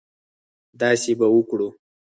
داسې به وکړو.